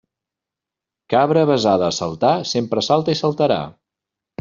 Cabra avesada a saltar sempre salta i saltarà.